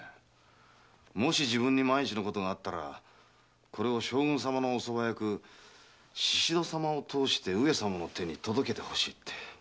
もし自分に万一のことがあったらこれを将軍様の御側役宍戸様を通して上様の手に届けてほしいって。